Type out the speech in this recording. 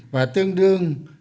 và tương đương